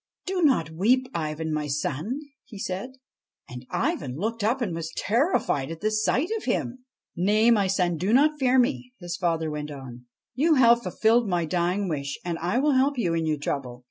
' Do not weep, Ivan, my son,' he said. And Ivan looked up and was terrified at the sight of him. ' Nay, my son, do not fear me,' his father went on. ' You have fulfilled my dying wish, and I will help you in your trouble.